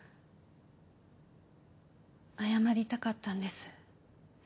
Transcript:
謝りたかったんです。